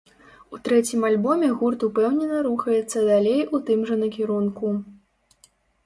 У трэцім альбоме гурт упэўнена рухаецца далей у тым жа накірунку.